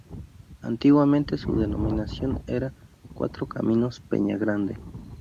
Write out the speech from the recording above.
Antiguamente su denominación era "Cuatro Caminos-Peñagrande".